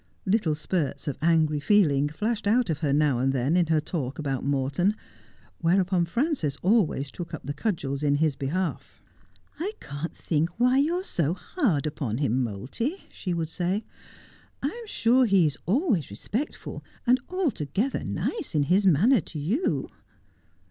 Little spurts of angry feeling flashed out of her now and then in her talk about Morton, whereupon Frances always took up the cudgels in his behalf. ' I can't think why you are so hard upon him, Moulty,' she would say. ' I'm sure he is always respectful, and altogether nice in his manner to you.'